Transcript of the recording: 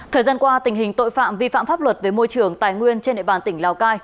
thời gian qua tình hình tội phạm vi phạm pháp luật về môi trường tài nguyên trên địa bàn tỉnh lào cai